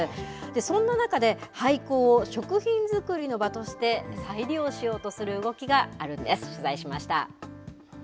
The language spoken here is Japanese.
そんな中で、廃校を食品作りの場として、再利用しようとする動きがあるんです。